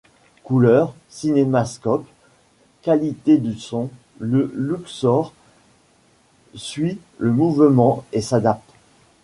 Couleur, cinémascope, qualité du son, le Louxor suit le mouvement et s’adapte.